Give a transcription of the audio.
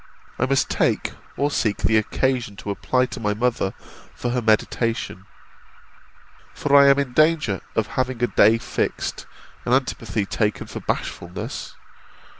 I must take or seek the occasion to apply to my mother for her mediation; for I am in danger of having a day fixed, and antipathy taken for bashfulness.